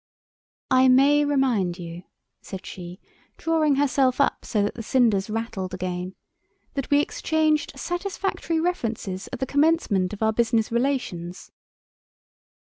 "I may remind you," said she, drawing herself up so that the cinders rattled again, "that we exchanged satisfactory references at the commencement of our business relations."